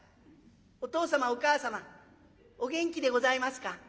お父様お母様お元気でございますか。